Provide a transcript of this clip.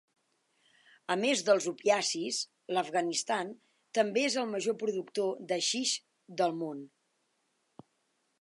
A més dels opiacis, l'Afganistan també és el major productor d'haixix del món.